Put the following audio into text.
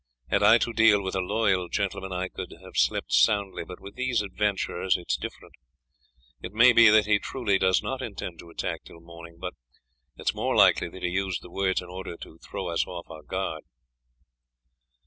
Had I to deal with a loyal gentleman I could have slept soundly, but with these adventurers it is different. It may be that he truly does not intend to attack till morning, but it is more likely that he used the words in order to throw us off our guard."